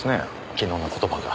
昨日の言葉が。